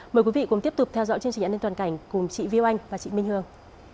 mời quý vị cùng tiếp tục theo dõi chương trình an ninh toàn cảnh cùng chị viu anh và chị minh hương